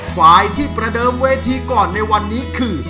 ฝ่ายที่ประเดิมเวทีก่อนในวันนี้คือ